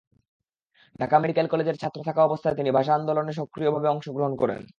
Dhaka medical কলেজের ছাত্র থাকা অবস্থায় তিনি ভাষা আন্দোলনে সক্রিয়ভাবে অংশগ্রহণ করেন।